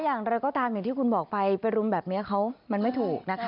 อย่างไรก็ตามอย่างที่คุณบอกไปไปรุมแบบนี้เขามันไม่ถูกนะคะ